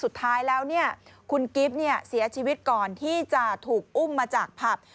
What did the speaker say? สุดท้ายแล้วคุณกิฟต์เสียชีวิตก่อนที่จะถูกอุ้มมาจากผับ